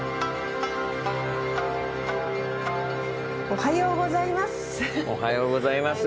おはようございます！